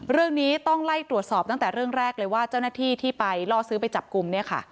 เรื่องนี้ต้องไล่ตรวจสอบตั้งแต่เรื่องแรกเลยว่าเจ้าหน้าที่ที่ไปล่อซื้อไปจับกลุ่มเนี่ยค่ะ